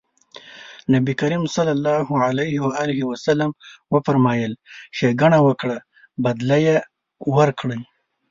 نبي کريم ص وفرمایل ښېګڼه وکړه بدله يې ورکړئ.